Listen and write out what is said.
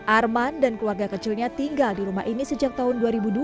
arman dan keluarga kecilnya tinggal di rumah ini sejak tahun dua ribu dua